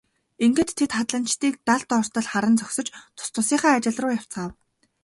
Ингээд тэд хадланчдыг далд ортол харан зогсож тус тусынхаа ажил руу явцгаав.